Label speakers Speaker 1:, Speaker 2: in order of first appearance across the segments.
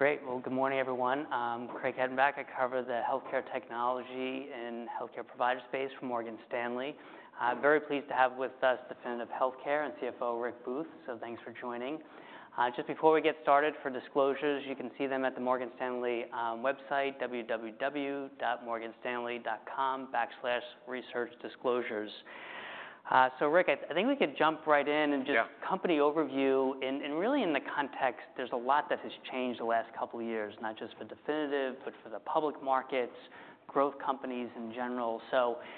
Speaker 1: Great! Well, good morning, everyone. Craig Hettenbach. I cover the healthcare technology and healthcare provider space for Morgan Stanley. Very pleased to have with us Definitive Healthcare and CFO, Rick Booth. So thanks for joining. Just before we get started, for disclosures, you can see them at the Morgan Stanley website, www.morganstanley.com/researchdisclosures. So Rick, I think we could jump right in and just-
Speaker 2: Yeah
Speaker 1: Company overview. Really, in the context, there's a lot that has changed in the last couple of years, not just for Definitive, but for the public markets, growth companies in general.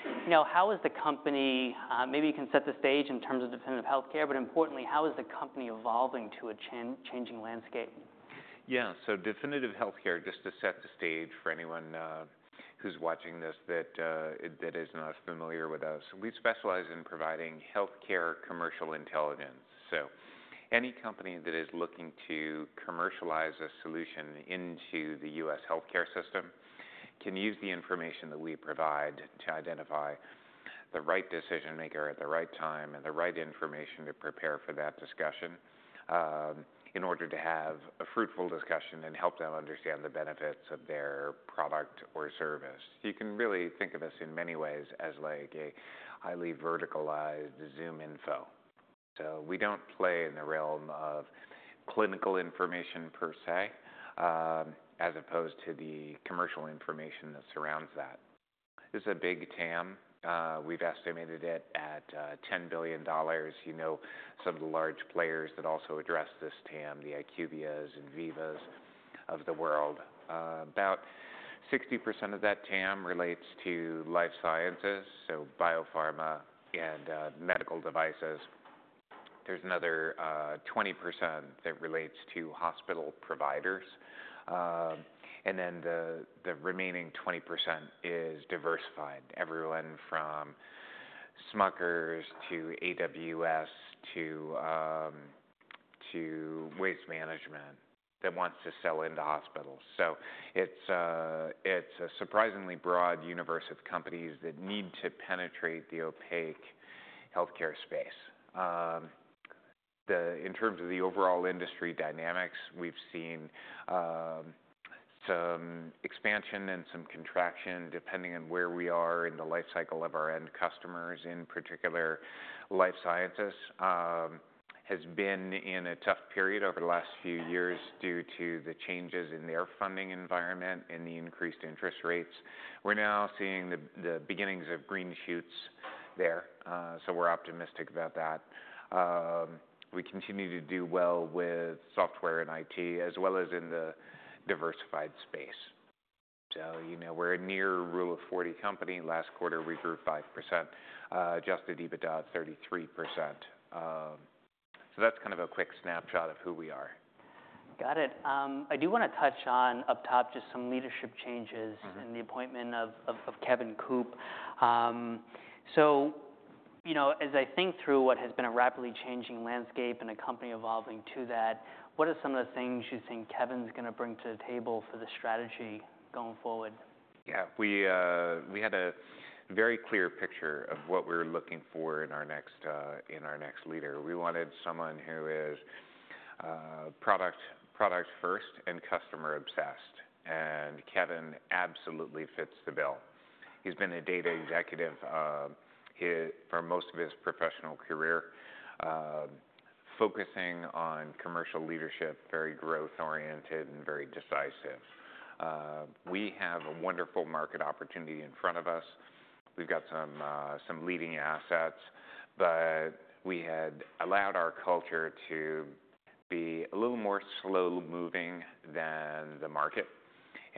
Speaker 1: You know, how is the company? Maybe you can set the stage in terms of Definitive Healthcare, but importantly, how is the company evolving to a changing landscape?
Speaker 2: Yeah. So Definitive Healthcare, just to set the stage for anyone who's watching this that is not familiar with us, we specialize in providing healthcare commercial intelligence. So any company that is looking to commercialize a solution into the U.S. healthcare system can use the information that we provide to identify the right decision maker at the right time, and the right information to prepare for that discussion, in order to have a fruitful discussion and help them understand the benefits of their product or service. You can really think of us in many ways as like a highly verticalized ZoomInfo. So we don't play in the realm of clinical information per se, as opposed to the commercial information that surrounds that. This is a big TAM. We've estimated it at $10 billion. You know, some of the large players that also address this TAM, the IQVIA and Veeva of the world. About 60% of that TAM relates to life sciences, so biopharma and medical devices. There's another 20% that relates to hospital providers. And then the remaining 20% is diversified. Everyone from Smuckers to AWS to Waste Management that wants to sell into hospitals. So it's a surprisingly broad universe of companies that need to penetrate the opaque healthcare space. In terms of the overall industry dynamics, we've seen some expansion and some contraction, depending on where we are in the life cycle of our end customers. In particular, life scientists has been in a tough period over the last few years due to the changes in their funding environment and the increased interest rates. We're now seeing the beginnings of green shoots there, so we're optimistic about that. We continue to do well with software and IT, as well as in the diversified space. So, you know, we're a near Rule of 40 company. Last quarter, we grew 5%, adjusted EBITDA 33%. So that's kind of a quick snapshot of who we are.
Speaker 1: Got it. I do wanna touch on, up top, just some leadership changes-
Speaker 2: Mm-hmm
Speaker 1: and the appointment of Kevin Coop, so you know, as I think through what has been a rapidly changing landscape and a company evolving to that, what are some of the things you think Kevin's gonna bring to the table for the strategy going forward?
Speaker 2: Yeah. We had a very clear picture of what we were looking for in our next leader. We wanted someone who is product first and customer obsessed, and Kevin absolutely fits the bill. He's been a data executive for most of his professional career, focusing on commercial leadership, very growth-oriented and very decisive. We have a wonderful market opportunity in front of us. We've got some leading assets, but we had allowed our culture to be a little more slow-moving than the market,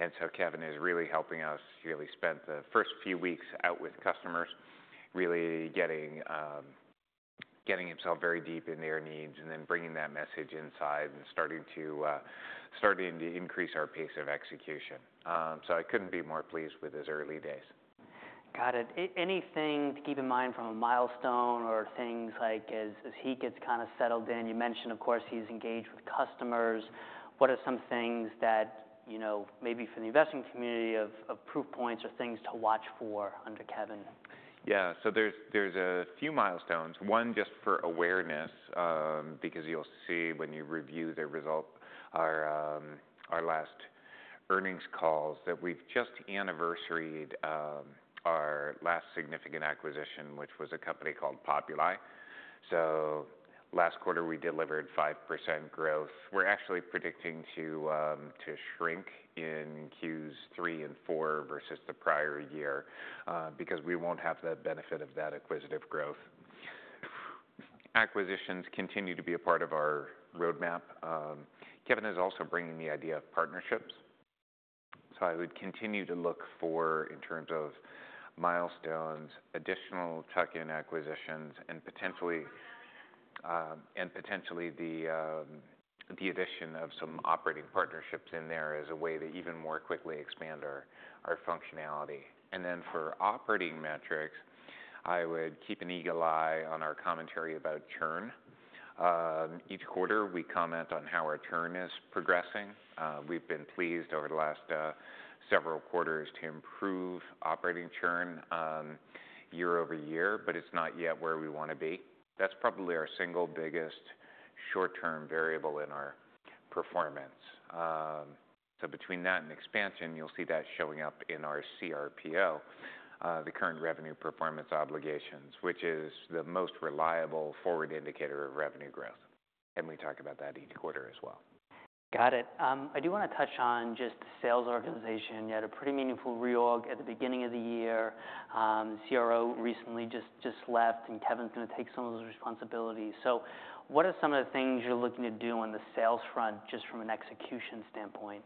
Speaker 2: and so Kevin is really helping us. He really spent the first few weeks out with customers, really getting himself very deep in their needs, and then bringing that message inside and starting to increase our pace of execution. I couldn't be more pleased with his early days.
Speaker 1: Got it. Anything to keep in mind from a milestone or things like as he gets kinda settled in? You mentioned, of course, he's engaged with customers. What are some things that, you know, maybe for the investing community, of proof points or things to watch for under Kevin?
Speaker 2: Yeah. So there's a few milestones. One, just for awareness, because you'll see when you review the results of our last earnings calls, that we've just anniversaried our last significant acquisition, which was a company called Populi. So last quarter, we delivered 5% growth. We're actually predicting to shrink in Q3 and Q4 versus the prior year, because we won't have the benefit of that acquisitive growth. Acquisitions continue to be a part of our roadmap. Kevin is also bringing the idea of partnerships. So I would continue to look for, in terms of milestones, additional tuck-in acquisitions and potentially the addition of some operating partnerships in there as a way to even more quickly expand our functionality. And then for operating metrics, I would keep an eagle eye on our commentary about churn. Each quarter, we comment on how our churn is progressing. We've been pleased over the last several quarters to improve operating churn year-over-year, but it's not yet where we wanna be. That's probably our single biggest short-term variable in our performance. So between that and expansion, you'll see that showing up in our cRPO, the current revenue performance obligations, which is the most reliable forward indicator of revenue growth, and we talk about that each quarter as well.
Speaker 1: Got it. I do wanna touch on just the sales organization. You had a pretty meaningful reorg at the beginning of the year. CRO recently just left, and Kevin's gonna take some of those responsibilities. So what are some of the things you're looking to do on the sales front, just from an execution standpoint?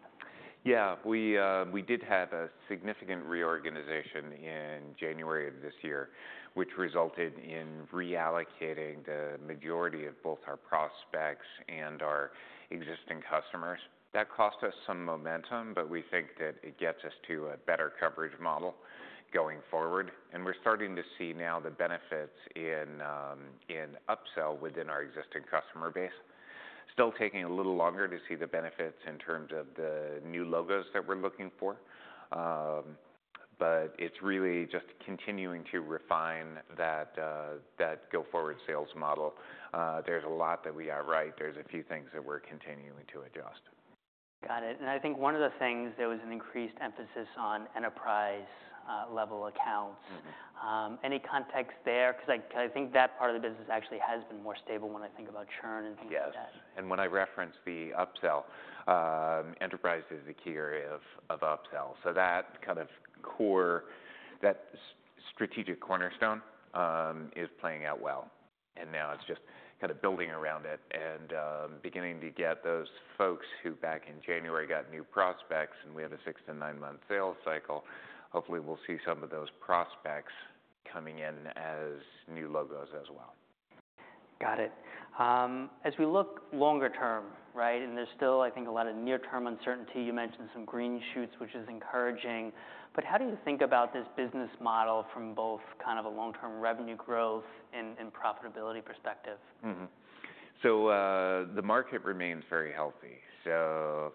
Speaker 2: Yeah. We did have a significant reorganization in January of this year, which resulted in reallocating the majority of both our prospects and our existing customers. That cost us some momentum, but we think that it gets us to a better coverage model going forward, and we're starting to see now the benefits in upsell within our existing customer base. Still taking a little longer to see the benefits in terms of the new logos that we're looking for. But it's really just continuing to refine that go-forward sales model. There's a lot that we got right. There's a few things that we're continuing to adjust.
Speaker 1: Got it. And I think one of the things, there was an increased emphasis on enterprise-level accounts.
Speaker 2: Mm-hmm.
Speaker 1: Any context there? 'Cause I think that part of the business actually has been more stable when I think about churn and things like that.
Speaker 2: Yes. And when I reference the upsell, enterprise is the key area of upsell. So that kind of core strategic cornerstone is playing out well, and now it's just kind of building around it and beginning to get those folks who, back in January, got new prospects, and we have a six-to-nine-month sales cycle. Hopefully, we'll see some of those prospects coming in as new logos as well.
Speaker 1: Got it. As we look longer term, right? And there's still, I think, a lot of near-term uncertainty. You mentioned some green shoots, which is encouraging, but how do you think about this business model from both kind of a long-term revenue growth and profitability perspective?
Speaker 2: Mm-hmm. So, the market remains very healthy, so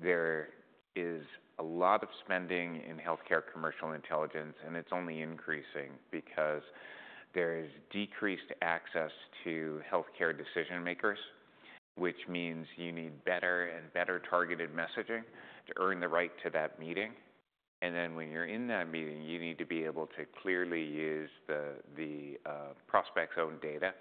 Speaker 2: there is a lot of spending in healthcare commercial intelligence, and it's only increasing because there is decreased access to healthcare decision makers, which means you need better and better targeted messaging to earn the right to that meeting. And then when you're in that meeting, you need to be able to clearly use the prospect's own data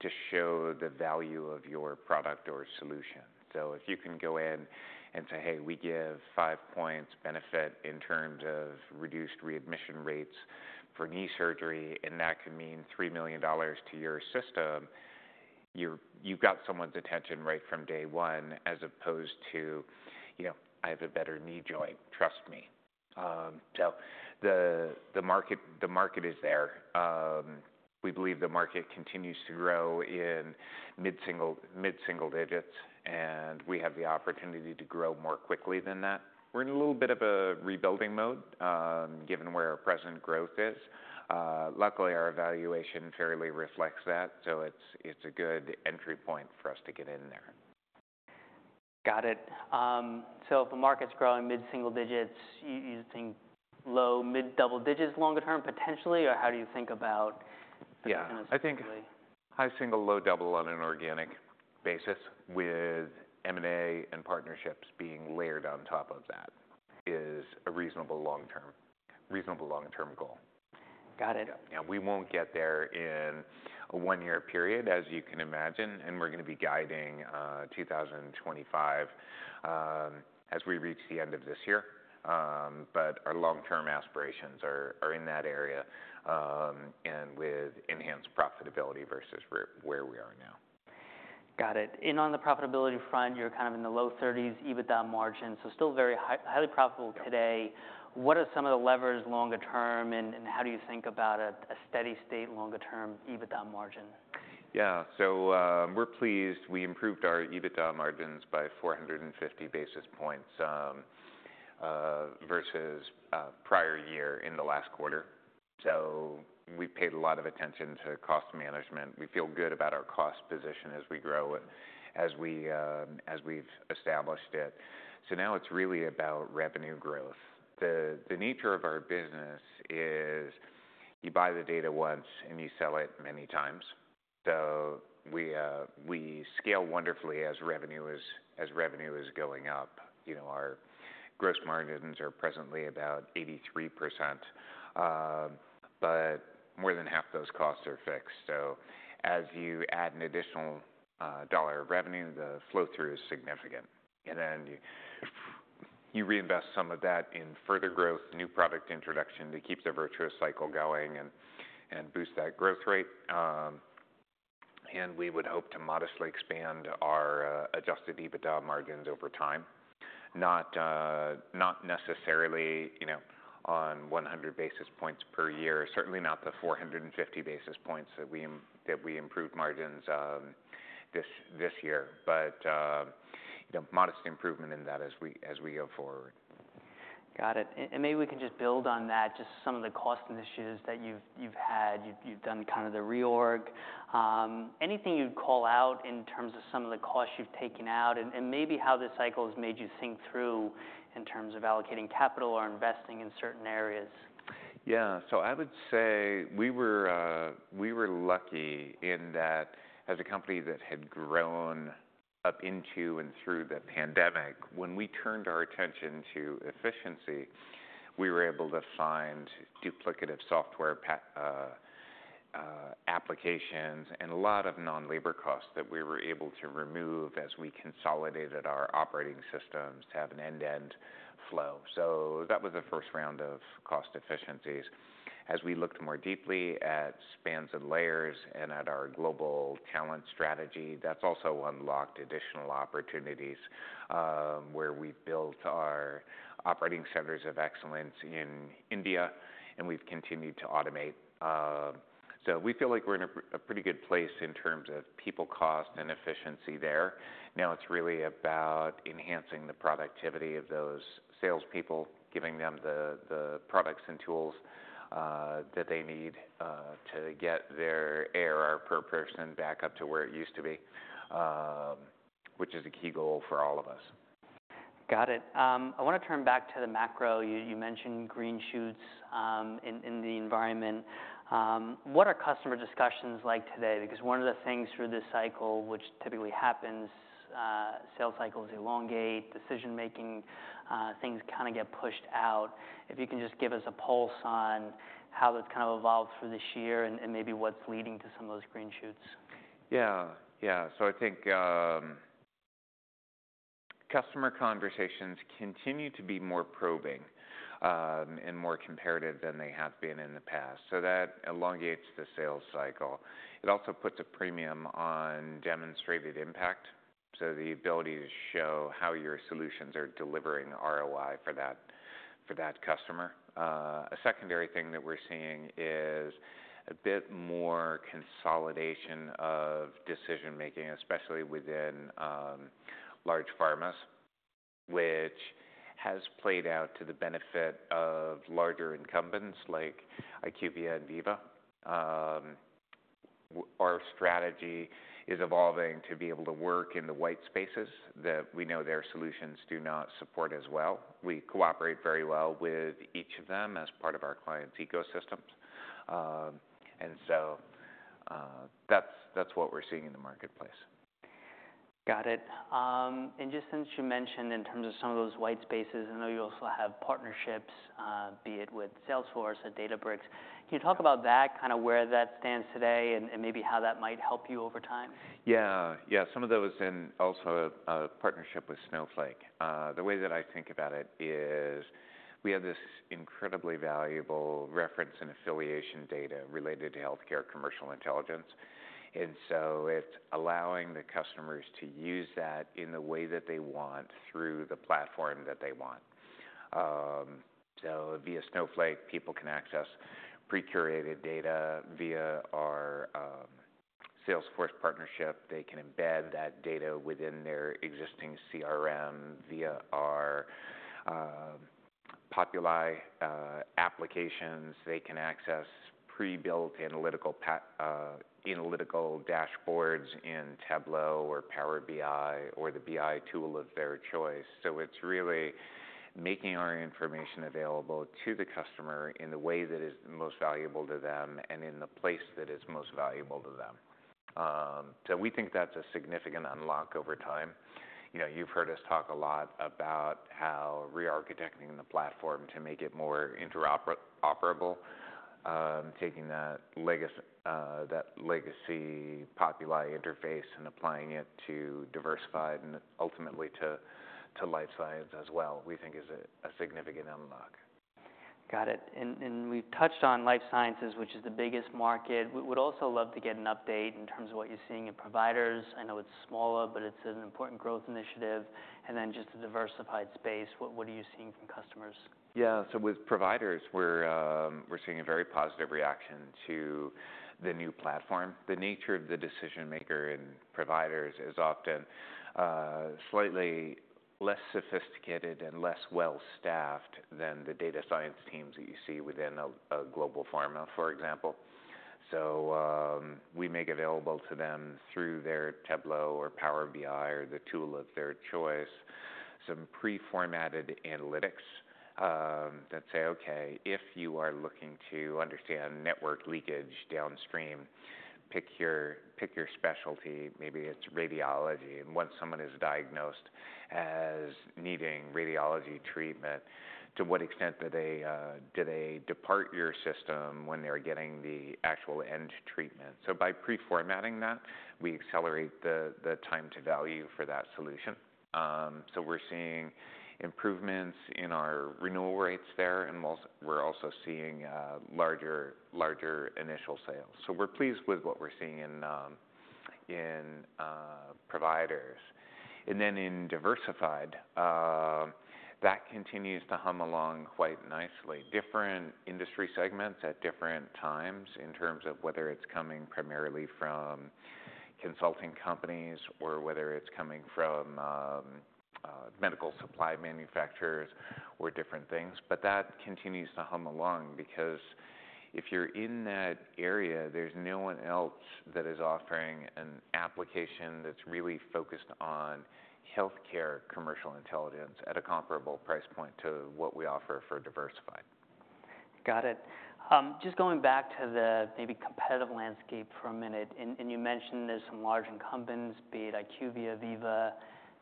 Speaker 2: to show the value of your product or solution. So if you can go in and say, "Hey, we give five points benefit in terms of reduced readmission rates for knee surgery, and that can mean $3 million to your system," you've got someone's attention right from day one, as opposed to, you know, "I have a better knee joint, trust me." So the market is there. We believe the market continues to grow in mid-single digits, and we have the opportunity to grow more quickly than that. We're in a little bit of a rebuilding mode, given where our present growth is. Luckily, our evaluation fairly reflects that, so it's a good entry point for us to get in there.
Speaker 1: Got it. So if the market's growing mid-single digits, you think low-to mid-double digits longer term, potentially, or how do you think about?
Speaker 2: Yeah
Speaker 1: Kind of potentially?
Speaker 2: I think high-single, low-double on an organic basis, with M&A and partnerships being layered on top of that, is a reasonable long-term, reasonable long-term goal.
Speaker 1: Got it.
Speaker 2: Now, we won't get there in a one-year period, as you can imagine, and we're gonna be guiding 2025 as we reach the end of this year, but our long-term aspirations are in that area and with enhanced profitability versus where we are now.
Speaker 1: Got it. On the profitability front, you're kind of in the low-30s EBITDA margin, so still very highly profitable today.
Speaker 2: Yeah.
Speaker 1: What are some of the levers longer term, and how do you think about a steady state longer term EBITDA margin?
Speaker 2: Yeah. So, we're pleased. We improved our EBITDA margins by 450 basis points versus prior year in the last quarter. So we paid a lot of attention to cost management. We feel good about our cost position as we grow and as we've established it. So now it's really about revenue growth. The nature of our business is you buy the data once, and you sell it many times. So we scale wonderfully as revenue is going up. You know, our gross margins are presently about 83%, but more than half those costs are fixed. So as you add an additional dollar of revenue, the flow-through is significant. And then you reinvest some of that in further growth, new product introduction, that keeps the virtuous cycle going and boost that growth rate. And we would hope to modestly expand our adjusted EBITDA margins over time. Not necessarily, you know, on 100 basis points per year, certainly not the 450 basis points that we improved margins this year, but you know, modest improvement in that as we go-forward.
Speaker 1: Got it. And maybe we can just build on that, just some of the cost initiatives that you've had. You've done kind of the reorg. Anything you'd call out in terms of some of the costs you've taken out and maybe how the cycle has made you think through in terms of allocating capital or investing in certain areas?...
Speaker 2: Yeah, so I would say we were, we were lucky in that as a company that had grown up into and through the pandemic, when we turned our attention to efficiency, we were able to find duplicative software applications and a lot of non-labor costs that we were able to remove as we consolidated our operating systems to have an end-to-end flow. So that was the first round of cost efficiencies. As we looked more deeply at spans and layers and at our global talent strategy, that's also unlocked additional opportunities, where we've built our operating centers of excellence in India, and we've continued to automate. So we feel like we're in a pretty good place in terms of people costs and efficiency there. Now it's really about enhancing the productivity of those salespeople, giving them the products and tools that they need to get their ARR per salesperson back up to where it used to be, which is a key goal for all of us.
Speaker 1: Got it. I wanna turn back to the macro. You mentioned green shoots in the environment. What are customer discussions like today? Because one of the things through this cycle, which typically happens, sales cycles elongate, decision-making, things kinda get pushed out. If you can just give us a pulse on how that's kind of evolved through this year and maybe what's leading to some of those green shoots.
Speaker 2: Yeah. Yeah. So I think, customer conversations continue to be more probing, and more comparative than they have been in the past, so that elongates the sales cycle. It also puts a premium on demonstrated impact, so the ability to show how your solutions are delivering ROI for that customer. A secondary thing that we're seeing is a bit more consolidation of decision-making, especially within large pharmas, which has played out to the benefit of larger incumbents like IQVIA and Veeva. Our strategy is evolving to be able to work in the white spaces that we know their solutions do not support as well. We cooperate very well with each of them as part of our client's ecosystems. And so, that's, that's what we're seeing in the marketplace.
Speaker 1: Got it. And just since you mentioned in terms of some of those white spaces, I know you also have partnerships, be it with Salesforce or Databricks. Can you talk about that, kinda where that stands today and maybe how that might help you over time?
Speaker 2: Yeah. Yeah, some of those, and also a partnership with Snowflake. The way that I think about it is we have this incredibly valuable reference and affiliation data related to healthcare commercial intelligence, and so it's allowing the customers to use that in the way that they want through the platform that they want. So via Snowflake, people can access pre-curated data. Via our Salesforce partnership, they can embed that data within their existing CRM. Via our Populi applications, they can access pre-built analytical dashboards in Tableau or Power BI, or the BI tool of their choice. So it's really making our information available to the customer in the way that is most valuable to them and in the place that is most valuable to them. So we think that's a significant unlock over time. You know, you've heard us talk a lot about how re-architecting the platform to make it more interoperable, taking that legacy Populi interface and applying it to diversified and ultimately to life science as well, we think is a significant unlock.
Speaker 1: Got it. And, and we've touched on life sciences, which is the biggest market. We would also love to get an update in terms of what you're seeing in providers. I know it's smaller, but it's an important growth initiative. And then just the diversified space, what are you seeing from customers?
Speaker 2: Yeah. So with providers, we're seeing a very positive reaction to the new platform. The nature of the decision-maker in providers is often slightly less sophisticated and less well-staffed than the data science teams that you see within a global pharma, for example. So we make available to them through their Tableau or Power BI or the tool of their choice, some pre-formatted analytics that say, "Okay, if you are looking to understand network leakage downstream, pick your specialty, maybe it's radiology, and once someone is diagnosed as needing radiology treatment, to what extent do they depart your system when they're getting the actual end treatment?" So by pre-formatting that, we accelerate the time to value for that solution. So we're seeing improvements in our renewal rates there, and we're also seeing larger initial sales. So we're pleased with what we're seeing in providers. And then in diversified, that continues to hum along quite nicely. Different industry segments at different times, in terms of whether it's coming primarily from consulting companies, or whether it's coming from medical supply manufacturers or different things, but that continues to hum along because if you're in that area, there's no one else that is offering an application that's really focused on healthcare commercial intelligence at a comparable price point to what we offer for Diversified.
Speaker 1: Got it. Just going back to the maybe competitive landscape for a minute, and you mentioned there's some large incumbents, be it IQVIA, Veeva,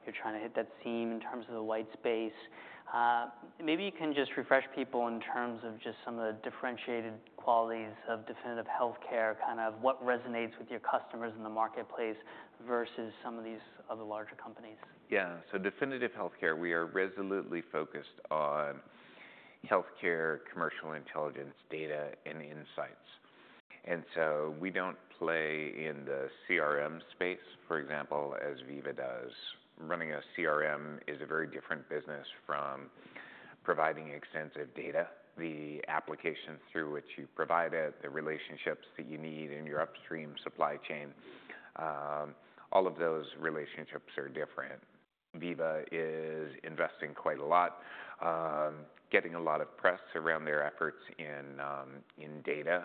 Speaker 1: you're trying to hit that seam in terms of the white space. Maybe you can just refresh people in terms of just some of the differentiated qualities of Definitive Healthcare, kind of what resonates with your customers in the marketplace versus some of these other larger companies?
Speaker 2: Yeah, so Definitive Healthcare, we are resolutely focused on healthcare commercial intelligence, data, and insights, and so we don't play in the CRM space, for example, as Veeva does. Running a CRM is a very different business from providing extensive data, the application through which you provide it, the relationships that you need in your upstream supply chain. All of those relationships are different. Veeva is investing quite a lot, getting a lot of press around their efforts in data,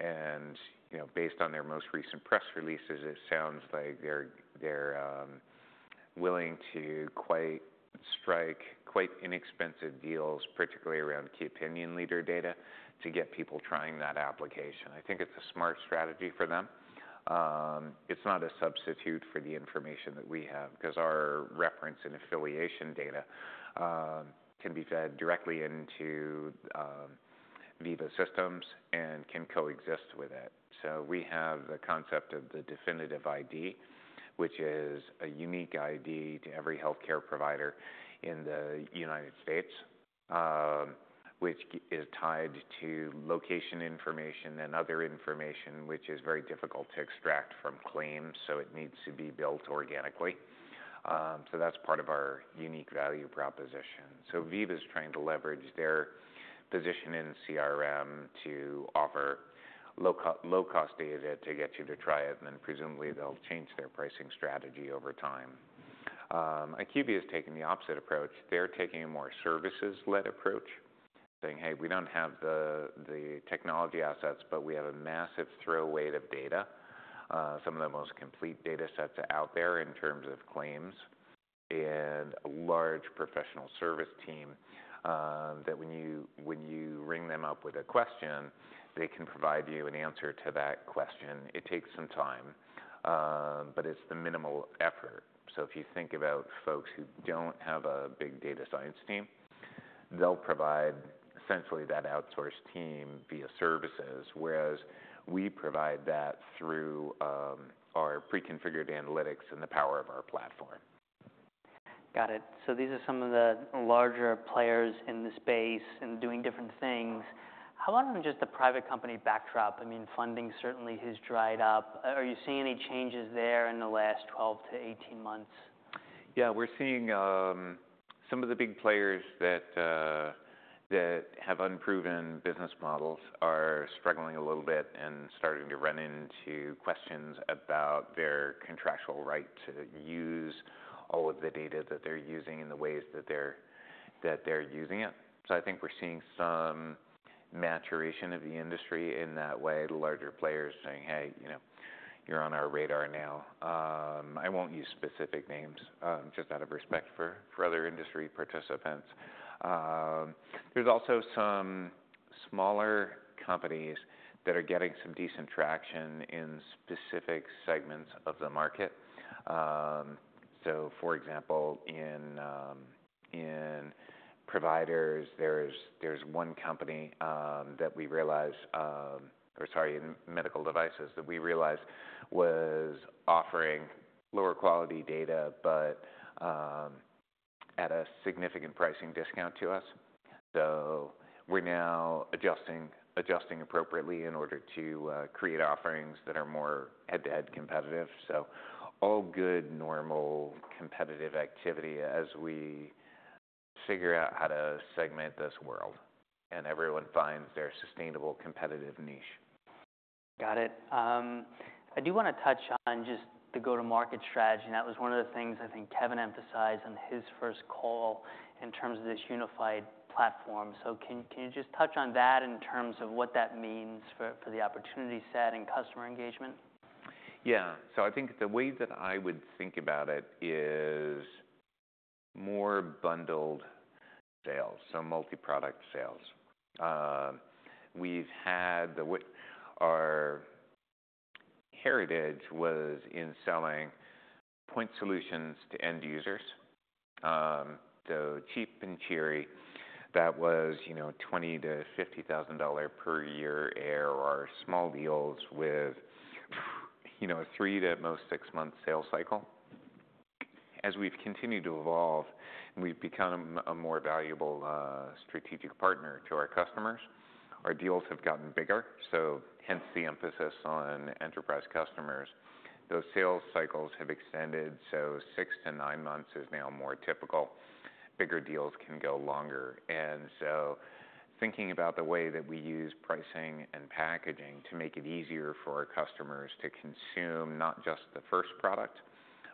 Speaker 2: and, you know, based on their most recent press releases, it sounds like they're willing to strike quite inexpensive deals, particularly around key opinion leader data, to get people trying that application. I think it's a smart strategy for them. It's not a substitute for the information that we have, 'cause our reference and affiliation data can be fed directly into Veeva Systems and can coexist with it. So we have the concept of the Definitive ID, which is a unique ID to every healthcare provider in the United States, which is tied to location information and other information, which is very difficult to extract from claims, so it needs to be built organically. So that's part of our unique value proposition. So Veeva's trying to leverage their position in CRM to offer low co- low-cost data to get you to try it, and then presumably they'll change their pricing strategy over time. IQVIA has taken the opposite approach. They're taking a more services-led approach, saying, "Hey, we don't have the technology assets, but we have a massive throw weight of data," some of the most complete datasets out there in terms of claims, and a large professional service team, that when you ring them up with a question, they can provide you an answer to that question. It takes some time, but it's the minimal effort. So if you think about folks who don't have a big data science team, they'll provide essentially that outsource team via services, whereas we provide that through our pre-configured analytics and the power of our platform.
Speaker 1: Got it. So these are some of the larger players in the space and doing different things. How about in just the private company backdrop? I mean, funding certainly has dried up. Are you seeing any changes there in the last 12-18 months?
Speaker 2: Yeah, we're seeing some of the big players that have unproven business models are struggling a little bit and starting to run into questions about their contractual right to use all of the data that they're using and the ways that they're using it. So I think we're seeing some maturation of the industry in that way, the larger players saying, "Hey, you know, you're on our radar now." I won't use specific names, just out of respect for other industry participants. There's also some smaller companies that are getting some decent traction in specific segments of the market. So for example, in medical devices, there's one company that we realized was offering lower quality data, but at a significant pricing discount to us. So we're now adjusting appropriately in order to create offerings that are more head-to-head competitive. So all good, normal, competitive activity as we figure out how to segment this world, and everyone finds their sustainable competitive niche.
Speaker 1: Got it. I do wanna touch on just the go-to-market strategy, and that was one of the things I think Kevin emphasized on his first call in terms of this unified platform. So can you just touch on that in terms of what that means for the opportunity set and customer engagement?
Speaker 2: Yeah. So I think the way that I would think about it is more bundled sales, so multi-product sales. We've had. Our heritage was in selling point solutions to end users. So cheap and cheery. That was, you know, $20,000-$50,000 dollar per year ARR or small deals with, you know, a three to at most six-month sales cycle. As we've continued to evolve, we've become a more valuable strategic partner to our customers. Our deals have gotten bigger, so hence the emphasis on enterprise customers. Those sales cycles have extended, so six-to-nine-months is now more typical. Bigger deals can go longer, and so thinking about the way that we use pricing and packaging to make it easier for our customers to consume not just the first product,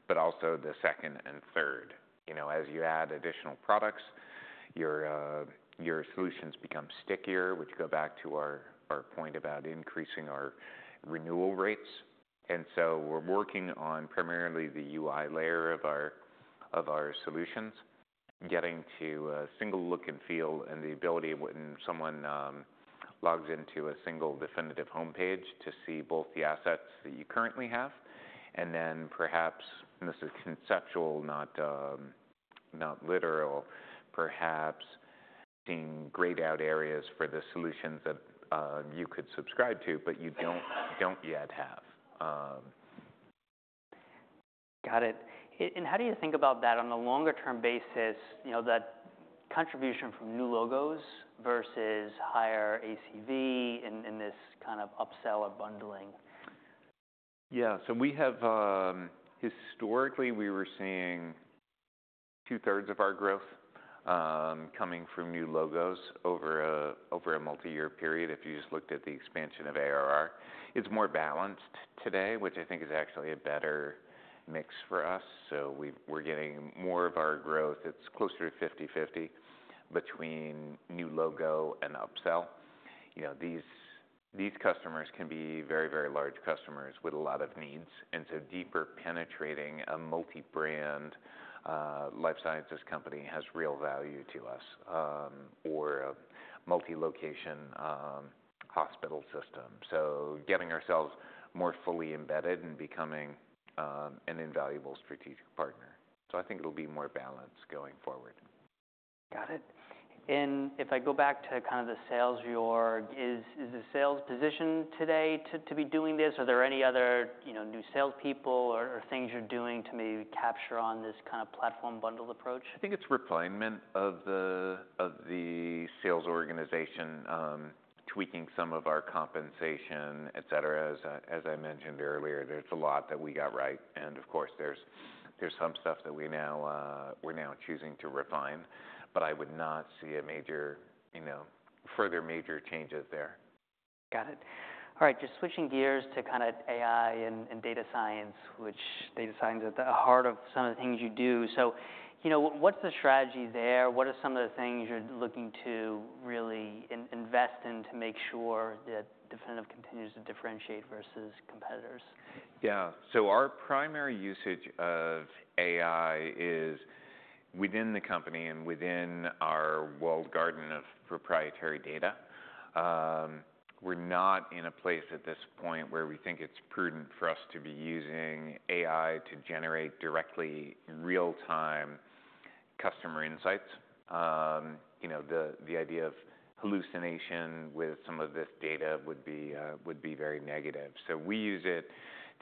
Speaker 2: but also the second and third. You know, as you add additional products, your solutions become stickier, which go back to our point about increasing our renewal rates, and so we're working on primarily the UI layer of our solutions, getting to a single look and feel, and the ability when someone logs into a single Definitive homepage to see both the assets that you currently have, and then perhaps, and this is conceptual, not literal, perhaps seeing grayed out areas for the solutions that you could subscribe to, but you don't yet have.
Speaker 1: Got it. And how do you think about that on a longer term basis, you know, that contribution from new logos versus higher ACV in this kind of upsell or bundling?
Speaker 2: Yeah. So we have historically, we were seeing two-thirds of our growth coming from new logos over a multi-year period, if you just looked at the expansion of ARR. It's more balanced today, which I think is actually a better mix for us. So we're getting more of our growth. It's closer to 50/50 between new logo and upsell. You know, these customers can be very, very large customers with a lot of needs, and so deeper penetrating a multi-brand life sciences company has real value to us, or a multi-location hospital system. So getting ourselves more fully embedded and becoming an invaluable strategic partner. So I think it'll be more balanced going forward.
Speaker 1: Got it. And if I go back to kind of the sales org, is the sales position today to be doing this? Are there any other, you know, new salespeople or things you're doing to maybe capture on this kind of platform bundle approach?
Speaker 2: I think it's refinement of the sales organization, tweaking some of our compensation, et cetera. As I mentioned earlier, there's a lot that we got right, and of course, there's some stuff that we now, we're now choosing to refine, but I would not see a major, you know, further major changes there.
Speaker 1: Got it. All right, just switching gears to kind of AI and data science, which data science at the heart of some of the things you do. So, you know, what's the strategy there? What are some of the things you're looking to really invest in to make sure that Definitive continues to differentiate versus competitors?
Speaker 2: Yeah. So our primary usage of AI is within the company and within our walled garden of proprietary data. We're not in a place at this point where we think it's prudent for us to be using AI to generate directly real-time customer insights. You know, the idea of hallucination with some of this data would be very negative. So we use it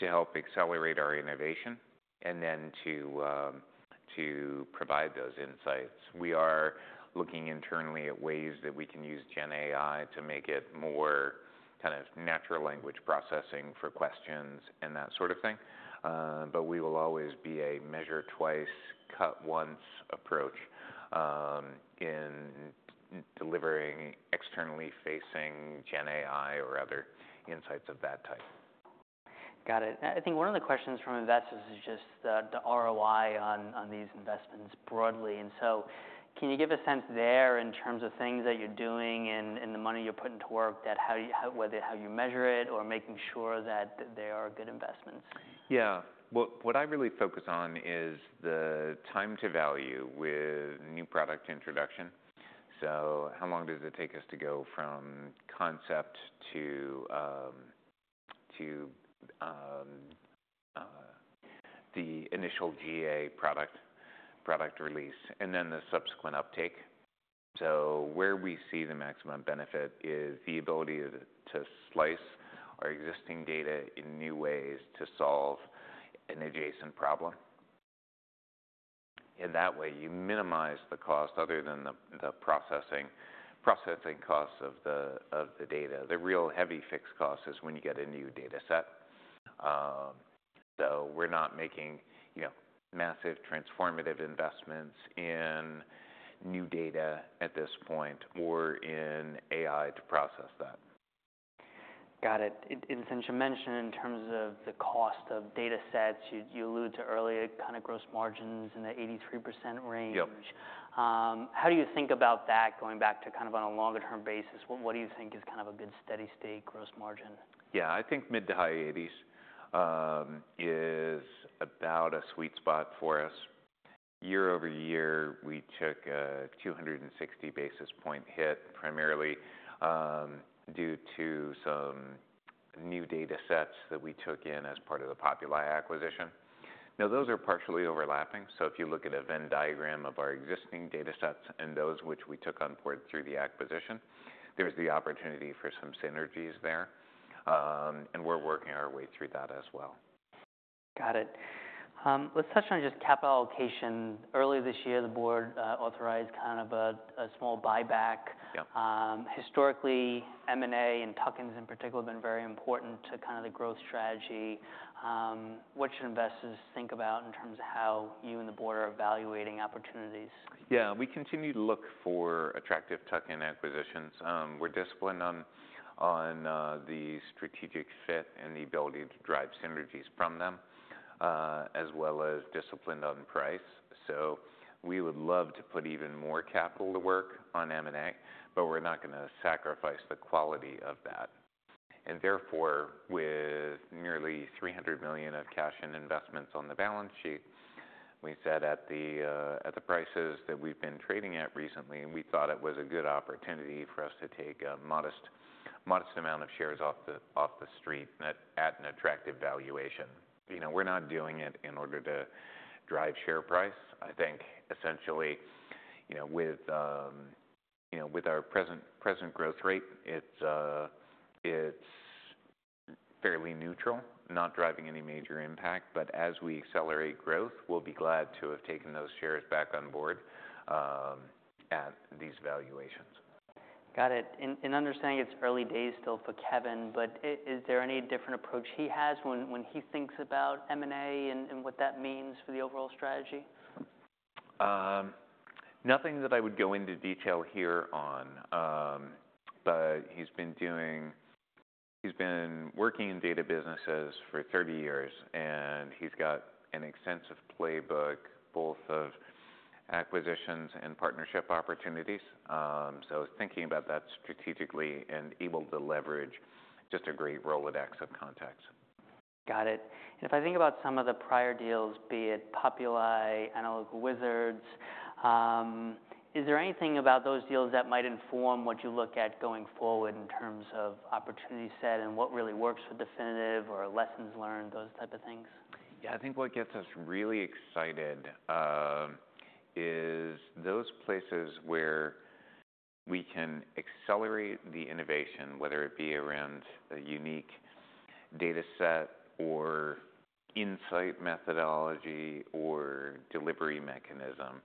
Speaker 2: to help accelerate our innovation and then to provide those insights. We are looking internally at ways that we can use Gen AI to make it more kind of natural language processing for questions and that sort of thing. But we will always be a "measure twice, cut once" approach in delivering externally facing Gen AI or other insights of that type.
Speaker 1: Got it. I think one of the questions from investors is just the ROI on these investments broadly. And so can you give a sense there in terms of things that you're doing and the money you're putting to work, that how you—whether how you measure it or making sure that they are good investments?
Speaker 2: Yeah. Well, what I really focus on is the time-to-value with new product introduction. So how long does it take us to go from concept to the initial GA product release and then the subsequent uptake? So where we see the maximum benefit is the ability to slice our existing data in new ways to solve an adjacent problem. In that way, you minimize the cost other than the processing costs of the data. The real heavy fixed cost is when you get a new data set. So we're not making, you know, massive transformative investments in new data at this point or in AI to process that.
Speaker 1: Got it. And since you mentioned in terms of the cost of data sets, you alluded to earlier kind of gross margins in the 83% range.
Speaker 2: Yep.
Speaker 1: How do you think about that, going back to kind of on a longer term basis, what do you think is kind of a good steady state gross margin?
Speaker 2: Yeah, I think mid-to high-80s is about a sweet spot for us. Year-over-year, we took a 260 basis points hit, primarily due to some new data sets that we took in as part of the Populi acquisition. Now, those are partially overlapping, so if you look at a Venn diagram of our existing data sets and those which we took on board through the acquisition, there's the opportunity for some synergies there, and we're working our way through that as well.
Speaker 1: Got it. Let's touch on just capital allocation. Earlier this year, the board authorized kind of a small buyback.
Speaker 2: Yep.
Speaker 1: Historically, M&A and tuck-ins in particular, have been very important to kind of the growth strategy. What should investors think about in terms of how you and the board are evaluating opportunities?
Speaker 2: Yeah. We continue to look for attractive tuck-in acquisitions. We're disciplined on the strategic fit and the ability to drive synergies from them, as well as disciplined on price. So we would love to put even more capital to work on M&A, but we're not gonna sacrifice the quality of that. And therefore, with nearly $300 million of cash and investments on the balance sheet, we said at the prices that we've been trading at recently, we thought it was a good opportunity for us to take a modest amount of shares off the street at an attractive valuation. You know, we're not doing it in order to drive share price. I think essentially, you know, with our present growth rate, it's fairly neutral, not driving any major impact, but as we accelerate growth, we'll be glad to have taken those shares back on board at these valuations.
Speaker 1: Got it. And understanding it's early days still for Kevin, but is there any different approach he has when he thinks about M&A and what that means for the overall strategy?
Speaker 2: Nothing that I would go into detail here on. But he's been working in data businesses for 30 years, and he's got an extensive playbook, both of acquisitions and partnership opportunities. So thinking about that strategically and able to leverage just a great Rolodex of contacts.
Speaker 1: Got it. And if I think about some of the prior deals, be it Populi, Analytical Wizards, is there anything about those deals that might inform what you look at going forward in terms of opportunity set and what really works for Definitive, or lessons learned, those type of things?
Speaker 2: Yeah. I think what gets us really excited is those places where we can accelerate the innovation, whether it be around a unique data set or insight methodology, or delivery mechanism,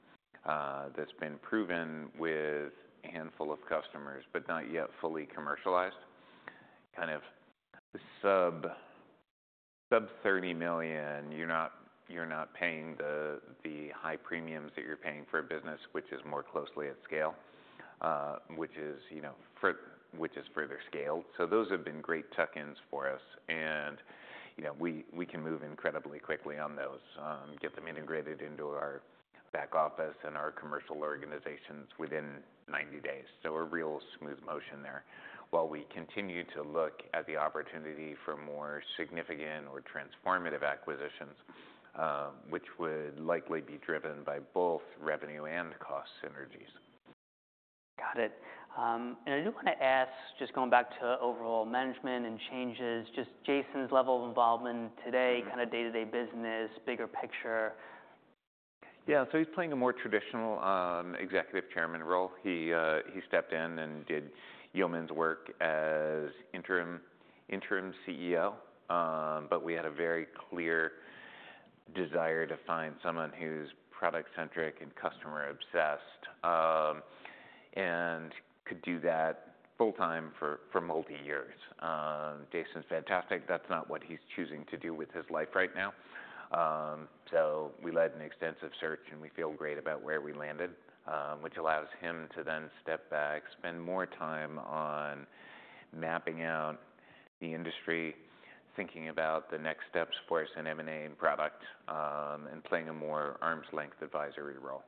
Speaker 2: that's been proven with a handful of customers, but not yet fully commercialized. Kind of sub $30 million, you're not paying the high premiums that you're paying for a business which is more closely at scale, which is, you know, which is further scaled. So those have been great tuck-ins for us, and, you know, we can move incredibly quickly on those, get them integrated into our back office and our commercial organizations within 90 days. So a real smooth motion there, while we continue to look at the opportunity for more significant or transformative acquisitions, which would likely be driven by both revenue and cost synergies.
Speaker 1: Got it, and I do wanna ask, just going back to overall management and changes, just Jason's level of involvement today-
Speaker 2: Mm-hmm.
Speaker 1: Kinda day-to-day business, bigger picture.
Speaker 2: Yeah. So he's playing a more traditional executive chairman role. He stepped in and did yeoman's work as interim CEO, but we had a very clear desire to find someone who's product-centric and customer-obsessed, and could do that full time for multi years. Jason's fantastic. That's not what he's choosing to do with his life right now. So we led an extensive search, and we feel great about where we landed, which allows him to then step back, spend more time on mapping out the industry, thinking about the next steps for us in M&A and product, and playing a more arm's length advisory role.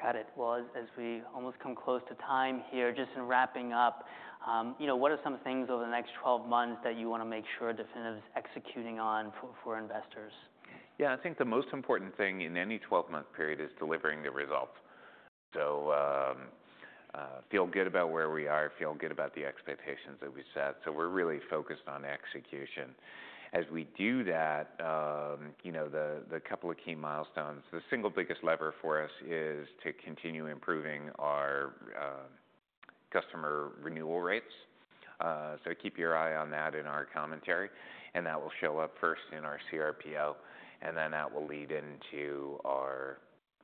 Speaker 1: Got it. Well, as we almost come close to time here, just in wrapping up, you know, what are some things over the next 12 months that you wanna make sure Definitive is executing on for investors?
Speaker 2: Yeah, I think the most important thing in any 12 month period is delivering the results. So, feel good about where we are, feel good about the expectations that we set, so we're really focused on execution. As we do that, you know, the couple of key milestones, the single biggest lever for us is to continue improving our customer renewal rates. So keep your eye on that in our commentary, and that will show up first in our cRPO, and then that will lead into our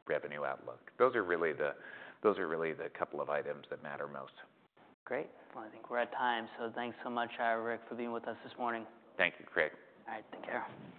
Speaker 2: revenue outlook. Those are really the couple of items that matter most.
Speaker 1: Great. Well, I think we're at time, so thanks so much, Rick, for being with us this morning.
Speaker 2: Thank you, Craig.
Speaker 1: All right, take care.